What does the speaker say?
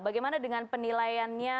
bagaimana dengan penilaiannya